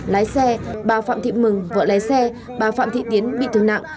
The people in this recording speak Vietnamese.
lái xe bà phạm thị mừng vợ lái xe bà phạm thị tiến bị thương nạn